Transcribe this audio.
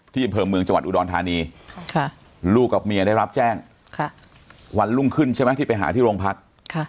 อำเภอเมืองจังหวัดอุดรธานีลูกกับเมียได้รับแจ้งวันรุ่งขึ้นใช่ไหมที่ไปหาที่โรงพัก